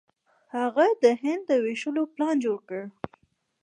هغه د هند د ویشلو پلان جوړ کړ.